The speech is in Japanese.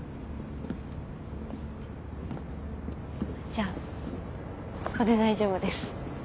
じゃあここで大丈夫です。